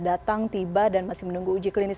datang tiba dan masih menunggu uji klinis